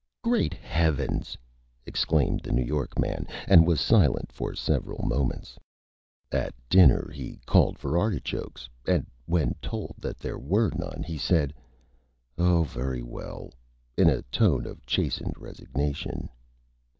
"Great Heavens!" exclaimed the New York Man, and was silent for several Moments. At Dinner he called for Artichokes, and when told that there were none, he said, "Oh, very well," in a Tone of Chastened Resignation.